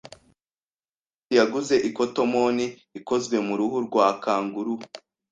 Ejobundi yanguze ikotomoni ikozwe mu ruhu rwa kanguru.